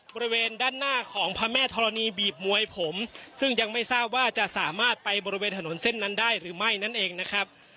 บริเวณด้านหน้าของพระแม่ธรณีบีบมวยผมซึ่งยังไม่ทราบว่าจะสามารถไปบริเวณถนนเส้นนั้นได้หรือไม่นั่นเองนะครับ